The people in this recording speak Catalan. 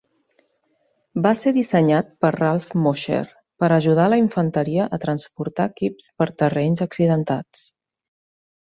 Va ser dissenyat per Ralph Mosher per ajudar la infanteria a transportar equips per terrenys accidentats.